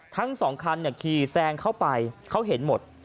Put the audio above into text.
ทั้งสองคันขี่แซงเข้าไปเขาเห็นหมด